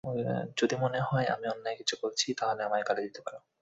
যদি মনে হয় আমি অন্যায় কিছু বলছি, তাহলে আমাকে গালি দিতে পারো।